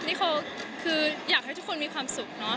นี่เขาคืออยากให้ทุกคนมีความสุขเนอะ